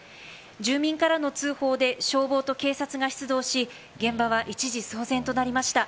住民からの通報で消防と警察が出動し現場は一時騒然となりました。